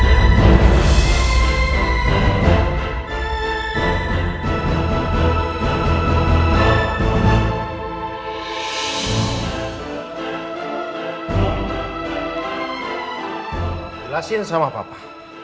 jelasin sama papa